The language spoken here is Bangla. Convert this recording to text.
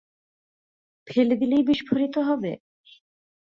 ফেলে দিলেই বিস্ফোরিত হবে?